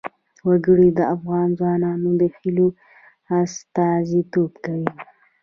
وګړي د افغان ځوانانو د هیلو استازیتوب کوي.